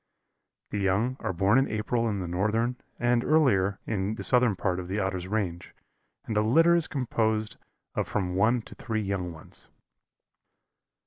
The young are born in April in the northern, and earlier in the southern part of the Otter's range, and a litter is composed of from one to three young ones.